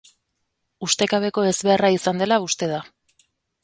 Ustekabeko ezbeharra izan dela uste da.